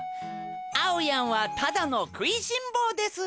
あおやんはただのくいしんぼうです。